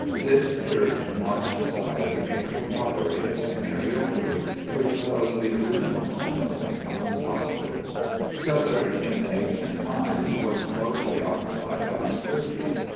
This church marks the site of the ancient Priory of St. Mary Overy, which was the original home of St. Thomas's Hospital. Southwark, in ancient times, was largely occupied by the clergy.